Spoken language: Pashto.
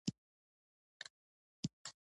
بدرنګه نیت د خیر مخه نیسي